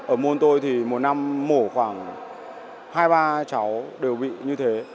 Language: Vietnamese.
ở môn tôi thì một năm mổ khoảng hai ba cháu đều bị như thế